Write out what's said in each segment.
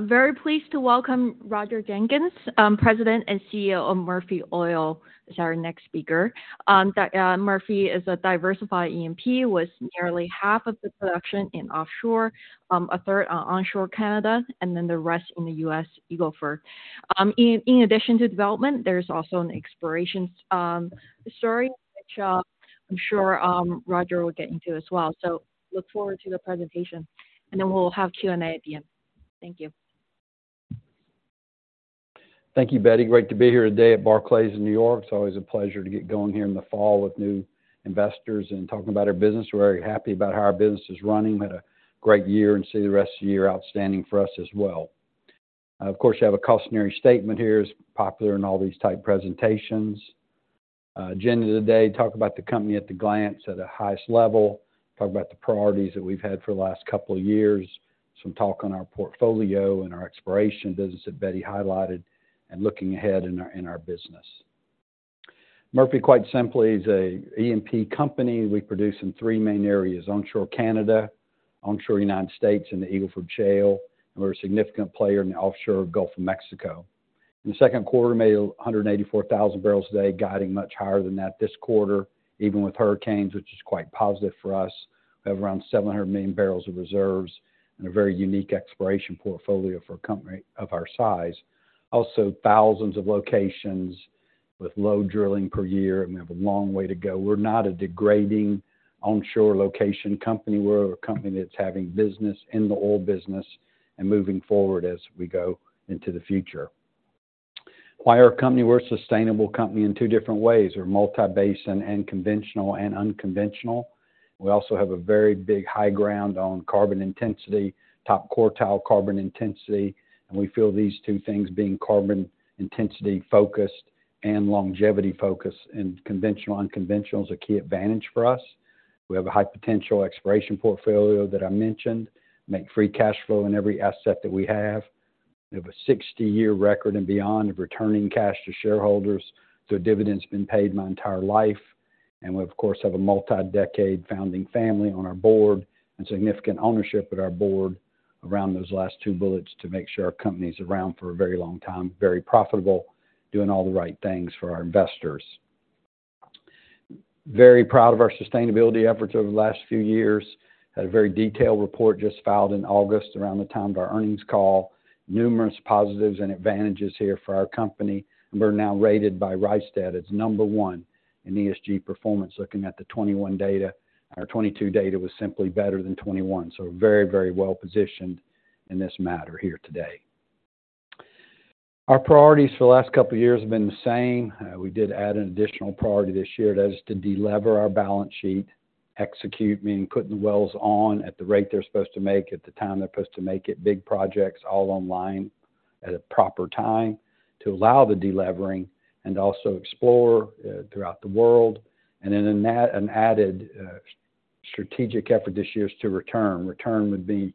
Very pleased to welcome Roger Jenkins, President and CEO of Murphy Oil, is our next speaker. That, Murphy is a diversified E&P, with nearly half of the production in offshore, a third on onshore Canada, and then the rest in the U.S., Eagle Ford. In addition to development, there's also an exploration story, which, I'm sure, Roger will get into as well. So look forward to the presentation, and then we'll have Q&A at the end. Thank you. Thank you, Betty. Great to be here today at Barclays in New York. It's always a pleasure to get going here in the fall with new investors and talking about our business. We're very happy about how our business is running. We had a great year, and see the rest of the year outstanding for us as well. Of course, you have a cautionary statement here, is popular in all these type presentations. Agenda today, talk about the company at the glance at the highest level, talk about the priorities that we've had for the last couple of years, some talk on our portfolio and our exploration business that Betty highlighted, and looking ahead in our, in our business. Murphy, quite simply, is a E&P company. We produce in three main areas: onshore Canada, onshore United States, and the Eagle Ford Shale, and we're a significant player in the offshore Gulf of Mexico. In the Q2, we made 184,000 barrels a day, guiding much higher than that this quarter, even with hurricanes, which is quite positive for us. We have around 700 million barrels of reserves and a very unique exploration portfolio for a company of our size. Also, thousands of locations with low drilling per year, and we have a long way to go. We're not a degrading onshore location company. We're a company that's having business in the oil business and moving forward as we go into the future. Why our company? We're a sustainable company in two different ways. We're multi-basin and conventional and unconventional. We also have a very big high ground on Carbon Intensity, top quartile Carbon Intensity, and we feel these two things, being Carbon Intensity focused and longevity focused in conventional/unconventional, is a key advantage for us. We have a high potential exploration portfolio that I mentioned, make free cash flow in every asset that we have. We have a 60-year record and beyond of returning cash to shareholders, so dividends been paid my entire life. And we, of course, have a multi-decade founding family on our board and significant ownership at our board around those last two bullets to make sure our company is around for a very long time, very profitable, doing all the right things for our investors. Very proud of our sustainability efforts over the last few years. Had a very detailed report just filed in August, around the time of our earnings call. Numerous positives and advantages here for our company. We're now rated by Rystad as number one in ESG performance, looking at the 2021 data. Our 2022 data was simply better than 2021, so very, very well positioned in this matter here today. Our priorities for the last couple of years have been the same. We did add an additional priority this year. That is to delever our balance sheet, execute, meaning putting the wells on at the rate they're supposed to make, at the time they're supposed to make it, big projects all online at a proper time to allow the delevering and also explore throughout the world. And then an added strategic effort this year is to return. Return would be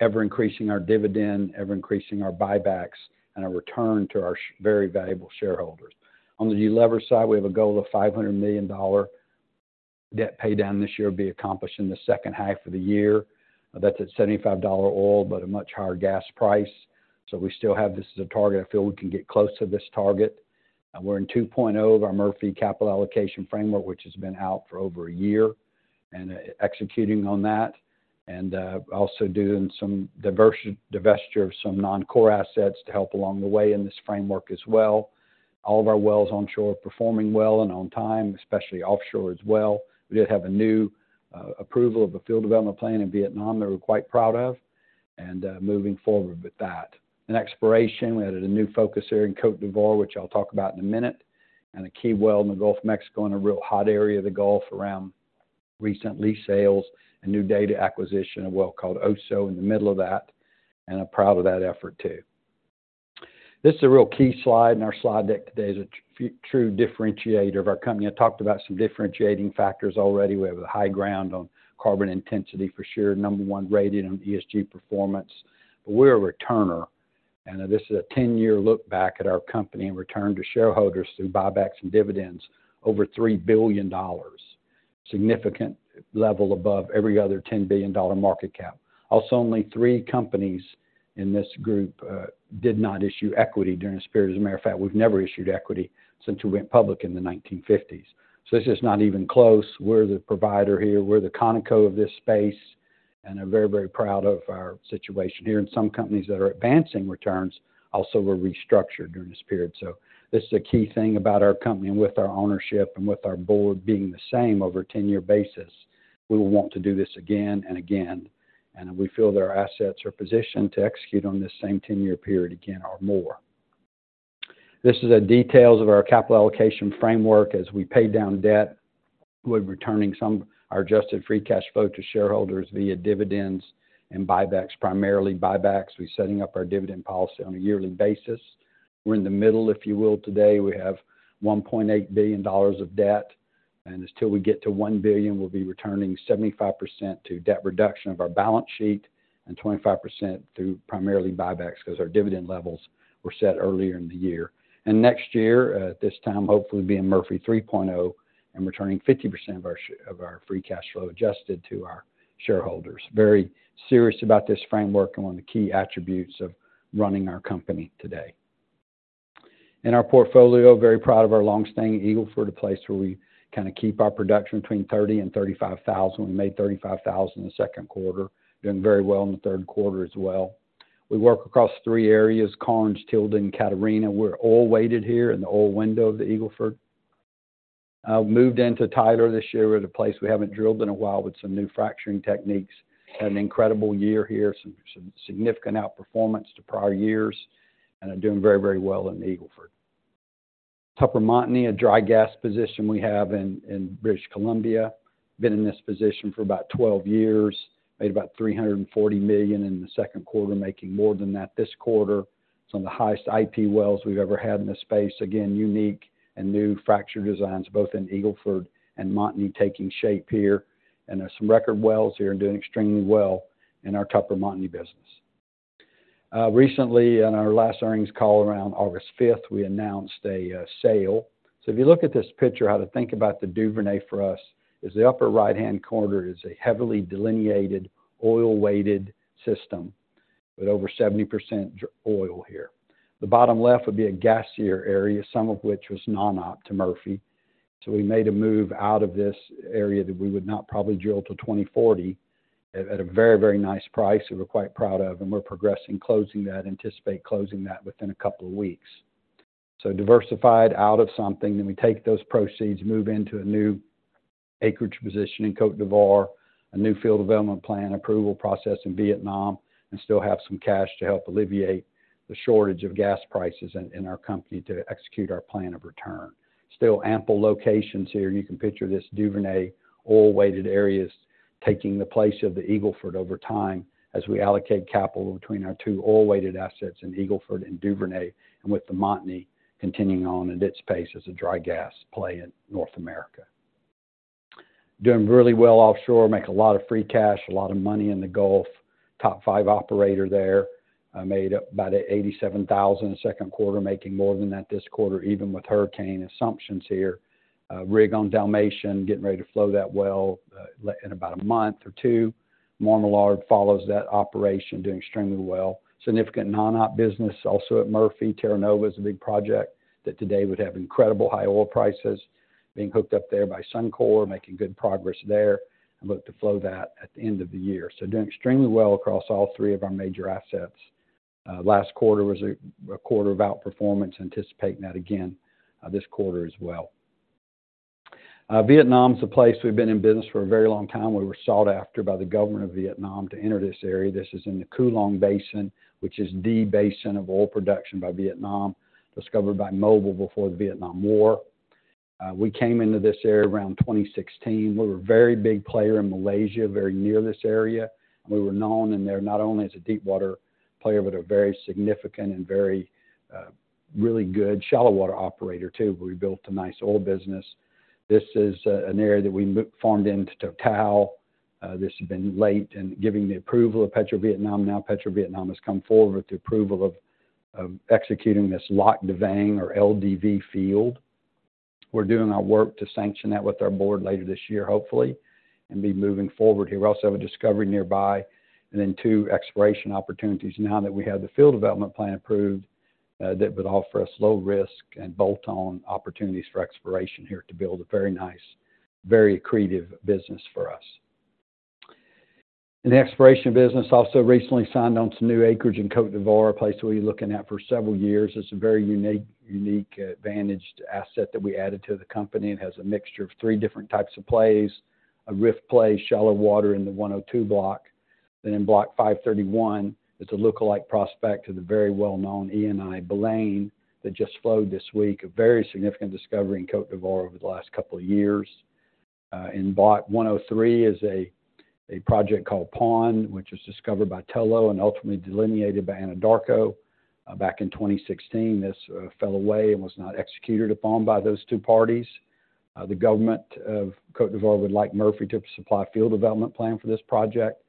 ever increasing our dividend, ever increasing our buybacks, and a return to our sh- very valuable shareholders. On the delever side, we have a goal of $500 million debt pay down this year, will be accomplished in the second half of the year. That's at $75 oil, but a much higher gas price. So we still have this as a target. I feel we can get close to this target. And we're in 2.0 of our Murphy capital allocation framework, which has been out for over a year and, executing on that, and, also doing some divestiture of some non-core assets to help along the way in this framework as well. All of our wells onshore are performing well and on time, especially offshore as well. We did have a new, approval of a field development plan in Vietnam that we're quite proud of, and, moving forward with that. In exploration, we added a new focus here in Côte d'Ivoire, which I'll talk about in a minute, and a key well in the Gulf of Mexico, in a real hot area of the Gulf, around recent lease sales and new data acquisition, a well called Oso, in the middle of that, and I'm proud of that effort too. This is a real key slide, and our slide deck today is a true differentiator of our company. I talked about some differentiating factors already. We have a high ground on carbon intensity for sure, number one rated on ESG performance, but we're a returner, and this is a ten-year look back at our company in return to shareholders through buybacks and dividends, over $3 billion. Significant level above every other $10 billion market cap. Also, only three companies in this group did not issue equity during this period. As a matter of fact, we've never issued equity since we went public in the 1950s. So this is not even close. We're the provider here. We're the Conoco of this space, and I'm very, very proud of our situation here. And some companies that are advancing returns also were restructured during this period. So this is a key thing about our company, and with our ownership and with our board being the same over a 10-year basis, we will want to do this again and again. And we feel that our assets are positioned to execute on this same 10-year period again or more. This is the details of our capital allocation framework. As we pay down debt, we're returning some—our Adjusted Free Cash Flow to shareholders via dividends and buybacks, primarily buybacks. We're setting up our dividend policy on a yearly basis. We're in the middle, if you will, today. We have $1.8 billion of debt, and until we get to $1 billion, we'll be returning 75% to debt reduction of our balance sheet and 25% through primarily buybacks, because our dividend levels were set earlier in the year. Next year, at this time, hopefully being Murphy 3.0... and returning 50% of our free cash flow adjusted to our shareholders. Very serious about this framework and one of the key attributes of running our company today. In our portfolio, very proud of our long-standing Eagle Ford, a place where we kind of keep our production between 30,000 and 35,000. We made 35,000 in the Q2, doing very well in the Q3 as well. We work across three areas, Karnes, Tilden, Catarina. We're oil weighted here in the oil window of the Eagle Ford. Moved into Tilden this year. We're at a place we haven't drilled in a while, with some new fracturing techniques. Had an incredible year here, some significant outperformance to prior years, and are doing very, very well in the Eagle Ford. Tupper Montney, a dry gas position we have in British Columbia. Been in this position for about 12 years, made about $340 million in the Q2, making more than that this quarter. Some of the highest IP wells we've ever had in this space. Again, unique and new fracture designs, both in Eagle Ford and Montney, taking shape here, and there's some record wells here and doing extremely well in our Tupper Montney business. Recently, on our last earnings call around August 5, we announced a sale. So if you look at this picture, how to think about the Duvernay for us is the upper right-hand corner is a heavily delineated, oil-weighted system, with over 70% dry oil here. The bottom left would be a gassier area, some of which was non-op to Murphy. So we made a move out of this area that we would not probably drill till 2040, at a very, very nice price that we're quite proud of, and we're progressing closing that, anticipate closing that within a couple of weeks. So diversified out of something, then we take those proceeds, move into a new acreage position in Côte d'Ivoire, a new field development plan approval process in Vietnam, and still have some cash to help alleviate the shortage of gas prices in, in our company to execute our plan of return. Still ample locations here. You can picture this Duvernay oil-weighted areas taking the place of the Eagle Ford over time, as we allocate capital between our two oil-weighted assets in Eagle Ford and Duvernay, and with the Montney continuing on at its pace as a dry gas play in North America. Doing really well offshore. Make a lot of free cash, a lot of money in the Gulf. Top five operator there. Made up about 87,000 in the Q2, making more than that this quarter, even with hurricane assumptions here. Rig on Dalmatian, getting ready to flow that well, in about a month or two. Mona Lisa follows that operation, doing extremely well. Significant non-op business also at Murphy. Terra Nova is a big project that today would have incredible high oil prices, being hooked up there by Suncor, making good progress there, and look to flow that at the end of the year. So doing extremely well across all three of our major assets. Last quarter was a quarter of outperformance, anticipating that again this quarter as well. Vietnam is a place we've been in business for a very long time. We were sought after by the government of Vietnam to enter this area. This is in the Cuu Long Basin, which is the basin of oil production by Vietnam, discovered by Mobil before the Vietnam War. We came into this area around 2016. We were a very big player in Malaysia, very near this area, and we were known in there, not only as a deepwater player, but a very significant and very, really good shallow water operator, too. We built a nice oil business. This is an area that we farmed into Total. This has been late and giving the approval of PetroVietnam. Now, PetroVietnam has come forward with the approval of executing this Lac Da Vang or LDV field. We're doing our work to sanction that with our board later this year, hopefully, and be moving forward here. We also have a discovery nearby, and then two exploration opportunities now that we have the field development plan approved, that would offer us low risk and bolt-on opportunities for exploration here to build a very nice, very accretive business for us. In the exploration business, also recently signed on some new acreage in Côte d'Ivoire, a place we've been looking at for several years. It's a very unique, unique, advantaged asset that we added to the company, and has a mixture of three different types of plays: a rift play, shallow water in the 102 block. Then in Block 531, it's a lookalike prospect to the very well-known Eni Baleine that just flowed this week. A very significant discovery in Côte d'Ivoire over the last couple of years. In Block 103 is a project called Paon, which was discovered by Tullow and ultimately delineated by Anadarko back in 2016. This fell away and was not executed upon by those two parties. The government of Côte d'Ivoire would like Murphy to supply field development plan for this project.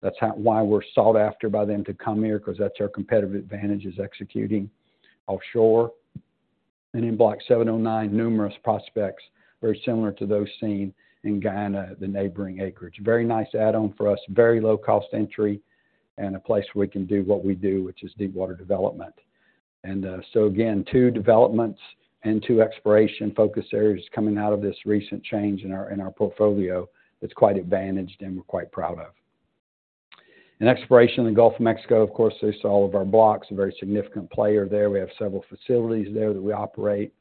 That's how, why we're sought after by them to come here, 'cause that's our competitive advantage, is executing offshore. In Block 709, numerous prospects, very similar to those seen in Guyana, the neighboring acreage. Very nice add-on for us, very low cost entry, and a place where we can do what we do, which is deepwater development. So again, two developments and two exploration focus areas coming out of this recent change in our portfolio, that's quite advantaged and we're quite proud of. In exploration in the Gulf of Mexico, of course, they saw all of our blocks, a very significant player there. We have several facilities there that we operate.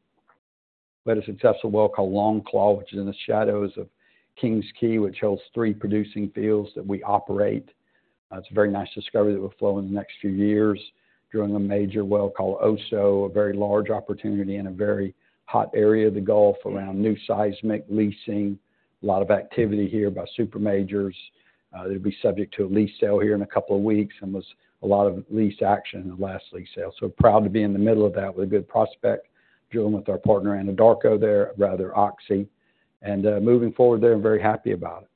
We had a successful well called Longclaw, which is in the shadows of King's Quay, which holds three producing fields that we operate. It's a very nice discovery that will flow in the next few years, drilling a major well called Oso, a very large opportunity in a very hot area of the Gulf around new seismic leasing. A lot of activity here by super majors. They'll be subject to a lease sale here in a couple of weeks, and there's a lot of lease action in the last lease sale. So proud to be in the middle of that with a good prospect, drilling with our partner, Anadarko there, rather, Oxy, and, moving forward there, and very happy about it.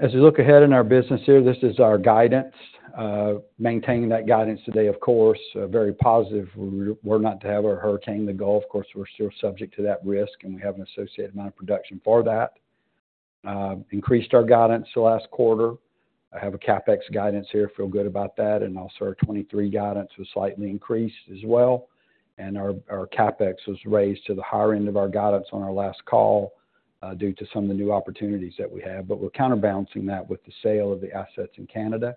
As we look ahead in our business here, this is our guidance. Maintaining that guidance today, of course, very positive. We're not to have a hurricane in the Gulf. Of course, we're still subject to that risk, and we have an associated amount of production for that. Increased our guidance the last quarter. I have a CapEx guidance here, feel good about that, and also our 2023 guidance was slightly increased as well. And our CapEx was raised to the higher end of our guidance on our last call, due to some of the new opportunities that we have. But we're counterbalancing that with the sale of the assets in Canada,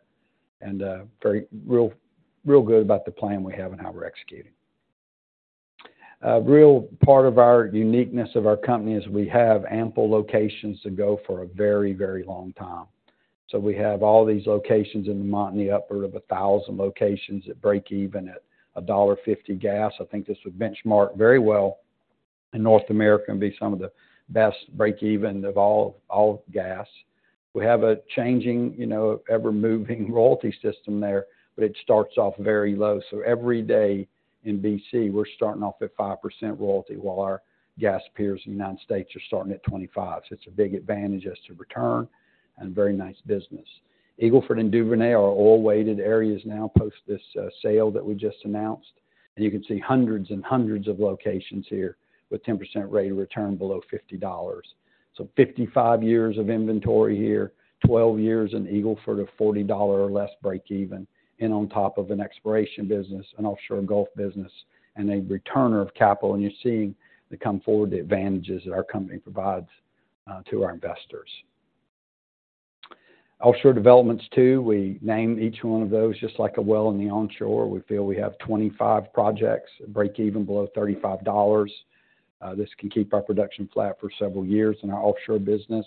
and, very real, real good about the plan we have and how we're executing. A real part of our uniqueness of our company is we have ample locations to go for a very, very long time. So we have all these locations in Montney, upward of 1,000 locations, that break even at $1.50 gas. I think this would benchmark very well in North America and be some of the best break even of all, all gas. We have a changing, you know, ever-moving royalty system there, but it starts off very low. So every day in BC, we're starting off at 5% royalty, while our gas peers in the United States are starting at 25%. So it's a big advantage as to return and very nice business. Eagle Ford and Duvernay are oil-weighted areas now, post this sale that we just announced. You can see hundreds and hundreds of locations here with 10% rate of return below $50. So 55 years of inventory here, 12 years in Eagle Ford, a $40 or less breakeven, and on top of an exploration business, an offshore Gulf business, and a returner of capital. You're seeing the come forward, the advantages that our company provides to our investors. Offshore developments too, we name each one of those, just like a well in the onshore. We feel we have 25 projects, break even below $35. This can keep our production flat for several years in our offshore business.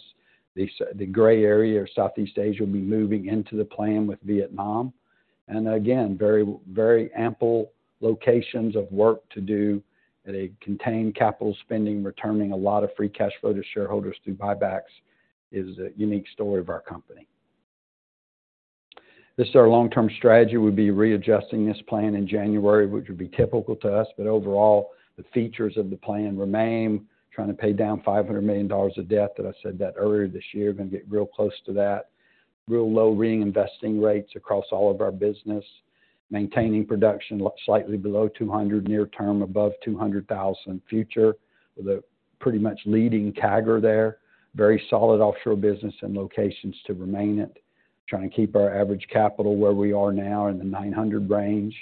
The gray area or Southeast Asia will be moving into the plan with Vietnam. Again, very, very ample locations of work to do. They contain capital spending, returning a lot of free cash flow to shareholders through buybacks, is a unique story of our company. This is our long-term strategy. We'll be readjusting this plan in January, which would be typical to us, but overall, the features of the plan remain. Trying to pay down $500 million of debt, that I said that earlier this year, gonna get real close to that. Real low reinvesting rates across all of our business. Maintaining production slightly below 200 near term, above 200,000 future, with a pretty much leading CAGR there. Very solid offshore business and locations to remain it. Trying to keep our average capital where we are now in the $900 range.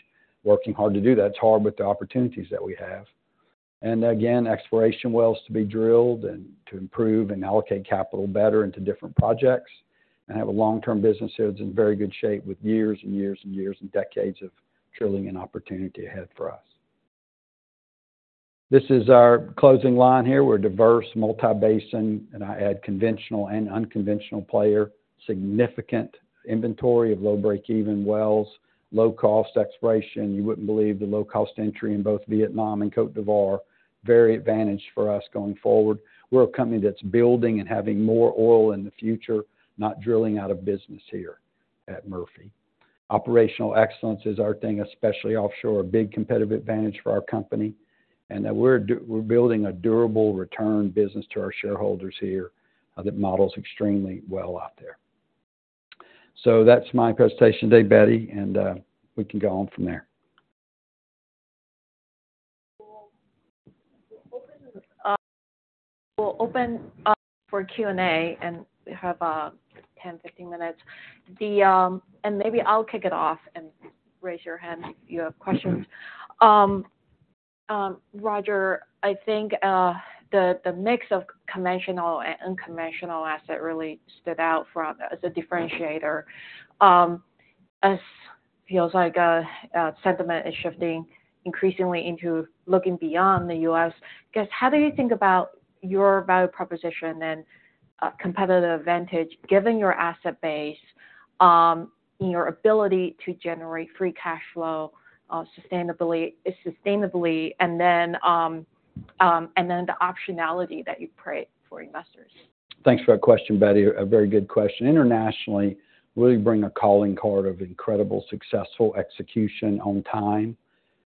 Working hard to do that. It's hard with the opportunities that we have. And again, exploration wells to be drilled and to improve and allocate capital better into different projects, and have a long-term business here that's in very good shape with years and years and years and decades of drilling and opportunity ahead for us. This is our closing line here. We're a diverse, multi-basin, and I add conventional and unconventional player. Significant inventory of low breakeven wells, low cost exploration. You wouldn't believe the low cost entry in both Vietnam and Côte d'Ivoire. Very advantaged for us going forward. We're a company that's building and having more oil in the future, not drilling out of business here at Murphy. Operational excellence is our thing, especially offshore. A big competitive advantage for our company. And that we're building a durable return business to our shareholders here, that models extremely well out there. So that's my presentation today, Betty, and we can go on from there. We'll open up for Q&A, and we have 10, 15 minutes. Maybe I'll kick it off, and raise your hand if you have questions. Roger, I think the mix of conventional and unconventional asset really stood out for us as a differentiator. It feels like sentiment is shifting increasingly into looking beyond the U.S., I guess, how do you think about your value proposition and competitive advantage, given your asset base, your ability to generate free cash flow sustainably, and then the optionality that you create for investors? Thanks for that question, Betty. A very good question. Internationally, really bring a calling card of incredible successful execution on time.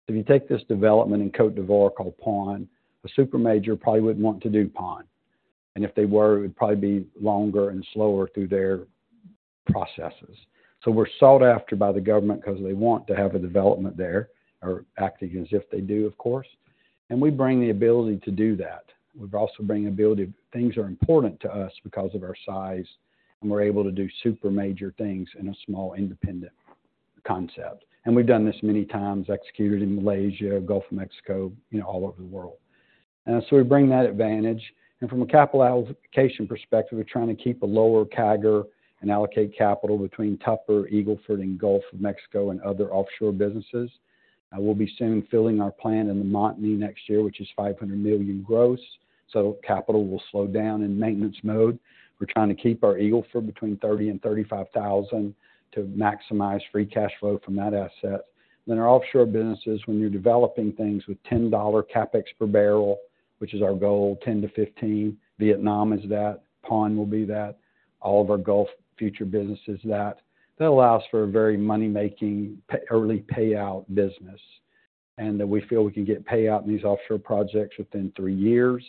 If you take this development in Côte d'Ivoire called Paon, a super major probably wouldn't want to do Paon. And if they were, it would probably be longer and slower through their processes. So we're sought after by the government because they want to have a development there, or acting as if they do, of course, and we bring the ability to do that. We've also bring ability, things are important to us because of our size, and we're able to do super major things in a small independent concept. And we've done this many times, executed in Malaysia, Gulf of Mexico, you know, all over the world. So we bring that advantage. And from a capital allocation perspective, we're trying to keep a lower CAGR and allocate capital between Tupper, Eagle Ford, and Gulf of Mexico and other offshore businesses. We'll be soon filling our plan in the Montney next year, which is $500 million gross, so capital will slow down in maintenance mode. We're trying to keep our Eagle Ford between 30 and 35 thousand to maximize free cash flow from that asset. Then our offshore businesses, when you're developing things with $10 CapEx per barrel, which is our goal, $10-$15, Vietnam is that, Paon will be that, all of our Gulf future business is that, that allows for a very money-making, pay-early payout business, and that we feel we can get payout in these offshore projects within 3 years,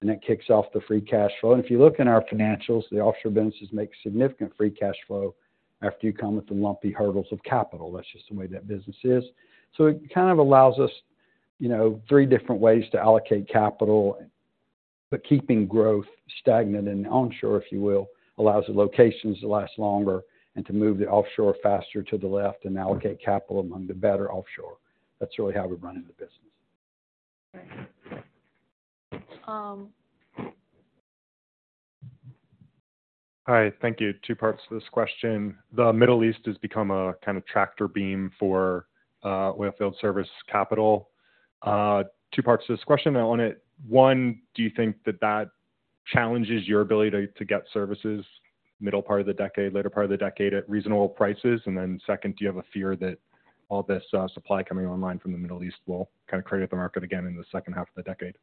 and that kicks off the free cash flow. If you look in our financials, the offshore businesses make significant free cash flow after you count with the lumpy hurdles of capital. That's just the way that business is. So it kind of allows us, you know, three different ways to allocate capital. But keeping growth stagnant and onshore, if you will, allows the locations to last longer and to move the offshore faster to the left and allocate capital among the better offshore. That's really how we're running the business. Um. Hi, thank you. Two parts to this question. The Middle East has become a kind of tractor beam for oilfield service capital. Two parts to this question. I want it, one, do you think that that challenges your ability to get services middle part of the decade, later part of the decade at reasonable prices? And then second, do you have a fear that all this supply coming online from the Middle East will kind of create up the market again in the second half of the decade?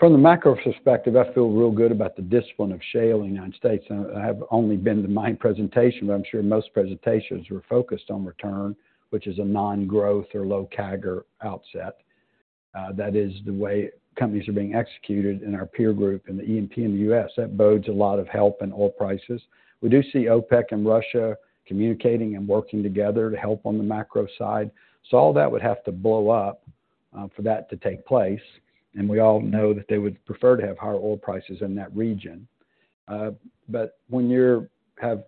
From the macro perspective, I feel real good about the discipline of shale in the United States, and I have only been to my presentation, but I'm sure most presentations were focused on return, which is a non-growth or low CAGR outset. That is the way companies are being executed in our peer group, in the E&P in the US. That bodes a lot of help in oil prices. We do see OPEC and Russia communicating and working together to help on the macro side. So all that would have to blow up, for that to take place, and we all know that they would prefer to have higher oil prices in that region. But when you're... have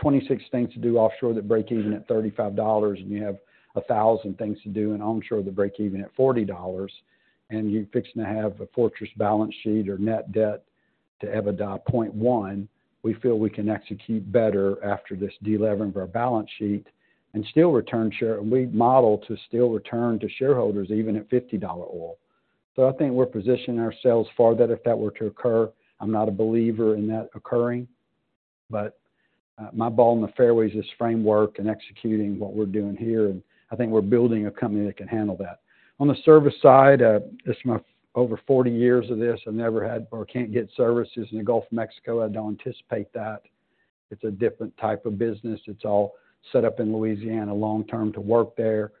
26 things to do offshore that break even at $35, and you have 1,000 things to do onshore that break even at $40, and you're fixing to have a fortress balance sheet or net debt to EBITDA 0.1. We feel we can execute better after this de-levering of our balance sheet and still return share. We model to still return to shareholders even at $50 oil. So I think we're positioning ourselves for that, if that were to occur. I'm not a believer in that occurring, but my ball in the fairways is framework and executing what we're doing here, and I think we're building a company that can handle that. On the service side, this my over 40 years of this, I've never had or can't get services in the Gulf of Mexico. I don't anticipate that. It's a different type of business. It's all set up in Louisiana long term to work there.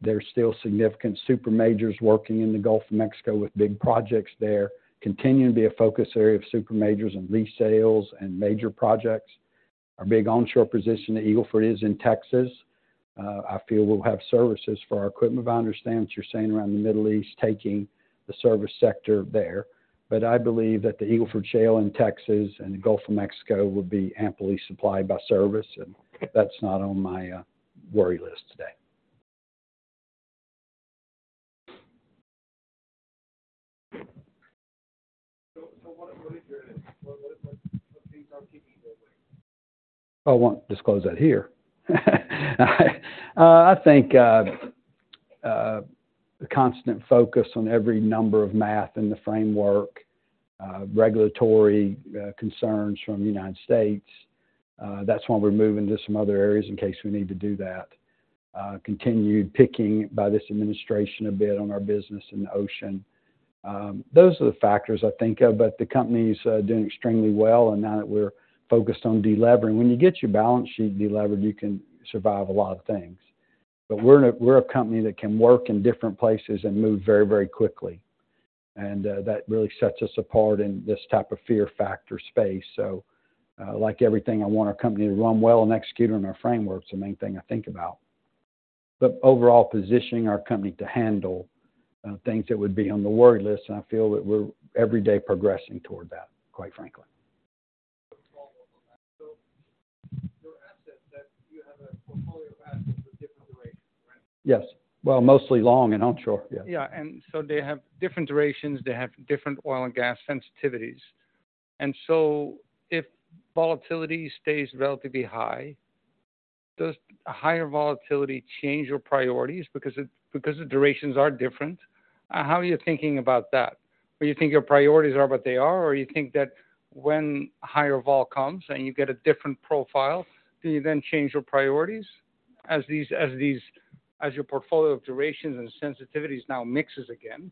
There's still significant Super Majors working in the Gulf of Mexico with big projects there, continuing to be a focus area of Super Majors and lease sales and major projects. Our big onshore position at Eagle Ford is in Texas. I feel we'll have services for our equipment. But I understand what you're saying around the Middle East, taking the service sector there. But I believe that the Eagle Ford Shale in Texas and the Gulf of Mexico would be amply supplied by service, and that's not on my worry list today. What keeps you up at night? I won't disclose that here. I think the constant focus on every number of math in the framework, regulatory concerns from the United States, that's why we're moving to some other areas in case we need to do that. Continued picking by this administration a bit on our business in the ocean. Those are the factors I think of, but the company's doing extremely well, and now that we're focused on de-levering. When you get your balance sheet de-levered, you can survive a lot of things. But we're a, we're a company that can work in different places and move very, very quickly, and that really sets us apart in this type of fear factor space. So, like everything, I want our company to run well and execute on our framework. It's the main thing I think about. But overall, positioning our company to handle things that would be on the worry list, and I feel that we're every day progressing toward that, quite frankly. Your assets, that you have a portfolio of assets with different durations, right? Yes. Well, mostly long and onshore. Yeah. Yeah, and so they have different durations, they have different oil and gas sensitivities. And so if volatility stays relatively high, does higher volatility change your priorities because it, because the durations are different? How are you thinking about that? Or you think your priorities are what they are, or you think that when higher vol comes and you get a different profile, do you then change your priorities as your portfolio of durations and sensitivities now mixes again?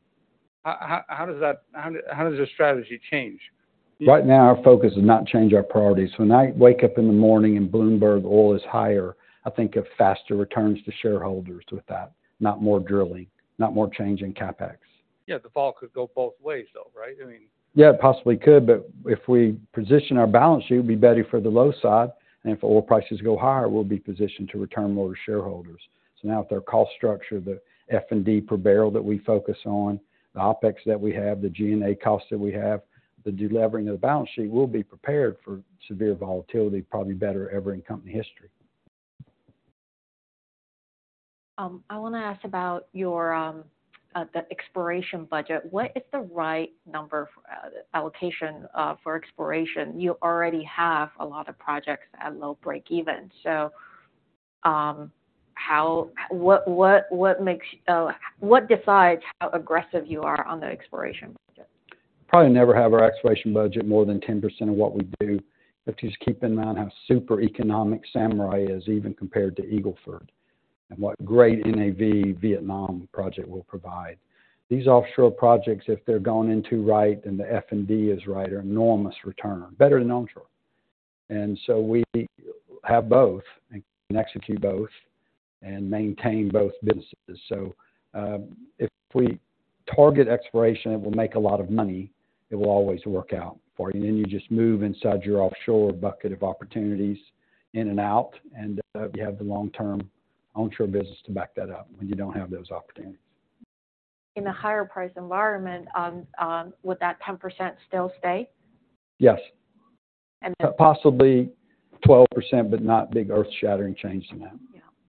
How does that... How does the strategy change? Right now, our focus does not change our priorities. When I wake up in the morning and Bloomberg oil is higher, I think of faster returns to shareholders with that, not more drilling, not more change in CapEx. Yeah, the fall could go both ways, though, right? I mean- Yeah, it possibly could, but if we position our balance sheet, it'd be better for the low side, and if oil prices go higher, we'll be positioned to return more to shareholders. So now with our cost structure, the F&D per barrel that we focus on, the OpEx that we have, the G&A costs that we have, the delevering of the balance sheet, we'll be prepared for severe volatility, probably better ever in company history. I want to ask about your exploration budget. What is the right number of allocation for exploration? You already have a lot of projects at low breakeven. So, what makes what decides how aggressive you are on the exploration budget? Probably never have our exploration budget more than 10% of what we do, but just keep in mind how super economic Samurai is, even compared to Eagle Ford, and what great NAV Vietnam project will provide. These offshore projects, if they're gone into right and the F&D is right, are enormous return, better than onshore. And so we have both and can execute both and maintain both businesses. So, if we target exploration, it will make a lot of money, it will always work out for you. And then you just move inside your offshore bucket of opportunities in and out, and you have the long-term onshore business to back that up when you don't have those opportunities. In a higher price environment, would that 10% still stay? Yes. And then- Possibly 12%, but not big earth-shattering change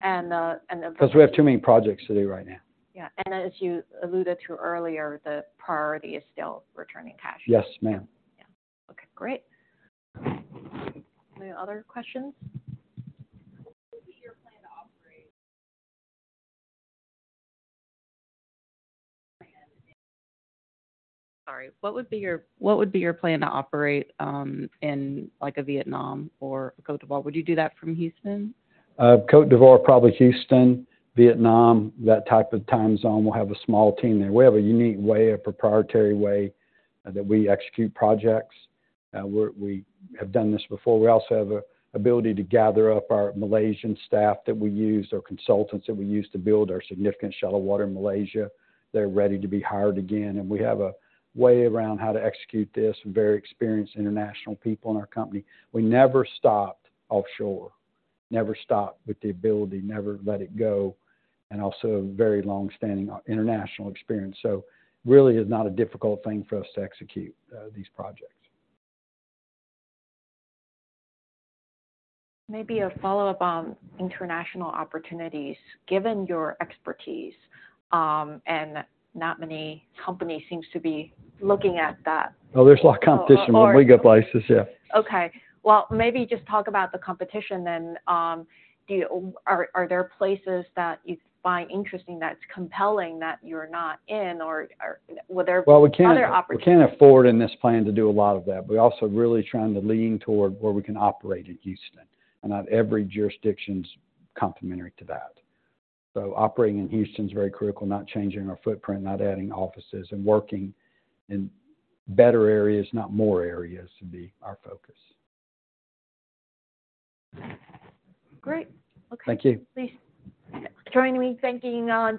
to that. Yeah. And, Cause we have too many projects to do right now. Yeah, and as you alluded to earlier, the priority is still returning cash. Yes, ma'am. Yeah. Okay, great. Any other questions? What would be your plan to operate? Sorry, what would be your plan to operate in, like, Vietnam or Côte d'Ivoire? Would you do that from Houston? Côte d'Ivoire, probably Houston. Vietnam, that type of time zone, we'll have a small team there. We have a unique way, a proprietary way, that we execute projects. We have done this before. We also have a ability to gather up our Malaysian staff that we used, or consultants that we used to build our significant shallow water in Malaysia. They're ready to be hired again, and we have a way around how to execute this, some very experienced international people in our company. We never stopped offshore, never stopped with the ability, never let it go, and also very long-standing international experience. So really, it's not a difficult thing for us to execute, these projects. Maybe a follow-up on international opportunities. Given your expertise, and not many companies seems to be looking at that- Oh, there's a lot of competition where we got places, yeah. Okay. Well, maybe just talk about the competition then. Do you... Are there places that you find interesting that's compelling that you're not in, or were there other opportunities? Well, we can't, we can't afford in this plan to do a lot of that. We're also really trying to lean toward where we can operate in Houston, and not every jurisdiction's complementary to that. So operating in Houston is very critical, not changing our footprint, not adding offices, and working in better areas, not more areas, would be our focus. Great. Okay. Thank you. Please join me in thanking.